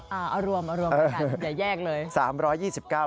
เออเอารวมไปก่อนล่ะอย่ายากเลย